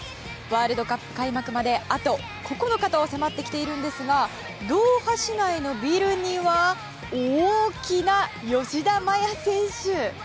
ワールドカップ開幕まであと９日と迫ってきていますがドーハ市内のビルには大きな吉田麻也選手。